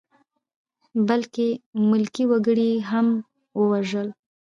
بلکې ملکي وګړي یې هم ووژل.